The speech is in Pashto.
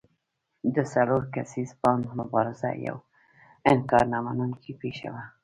د څلور کسیز بانډ مبارزه یوه انکار نه منونکې پېښه وه.